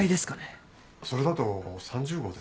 それだと３０号ですね。